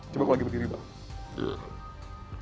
coba aku lagi berdiri bang